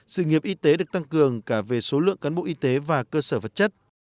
sự nghiệp y tế được tăng cường cả về số lượng cán bộ y tế và cơ sở vật chất